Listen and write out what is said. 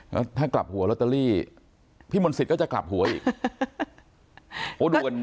แล้วถ้ากลับหัวลอตเตอรี่พี่มนต์สิทธิ์ก็จะกลับหัวอีก